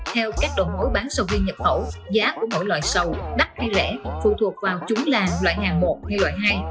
theo các đội mỗi bán sầu riêng nhập khẩu giá của mỗi loại sầu đắt hay rẻ phù thuộc vào chúng là loại hàng một hay loại hai